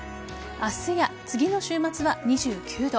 明日や次の週末は２９度。